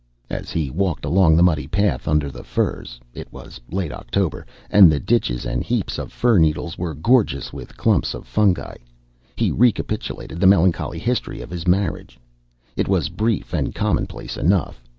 As he walked along the muddy path under the firs, it was late October, and the ditches and heaps of fir needles were gorgeous with clumps of fungi, he recapitulated the melancholy history of his marriage. It was brief and commonplace enough.